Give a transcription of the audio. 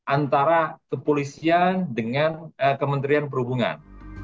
antara kepolisian dengan kementerian perhubungan